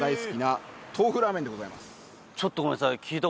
ちょっとごめんなさい。